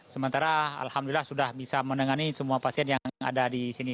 sementara alhamdulillah sudah bisa menengani semua pasien yang ada di sini